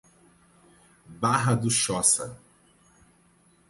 Barra do Choça